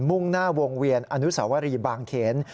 มุ่งหน้าวงเวียนอนุสาวรีบางเขน